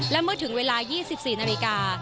และเมื่อถึงเวลา๒๔นาฬิกา